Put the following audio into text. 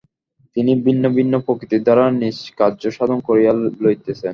তিনিই ভিন্ন ভিন্ন প্রকৃতির দ্বারা নিজ কার্য সাধন করিয়া লইতেছেন।